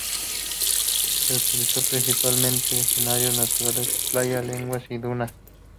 Se utilizó principalmente escenarios naturales de playa, laguna y dunas.